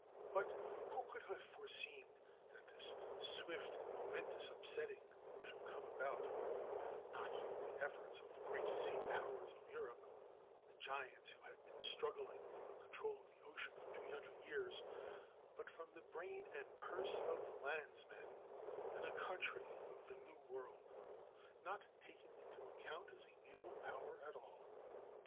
But who could have foreseen that this swift and momentous upsetting should come about, not through the efforts of the great sea powers of Europe,—the giants who had been struggling for the control of the ocean for three hundred years,—but from the brain and purse of landsmen in a country of the New World not taken into account as a naval power at all.